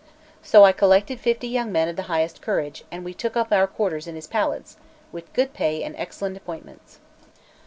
So I collected fifty young men of the highest courage, and we took up our quarters in his palace, with good pay and excellent appointments.